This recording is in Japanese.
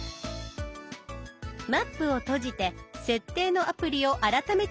「マップ」を閉じて設定のアプリを改めて開きます。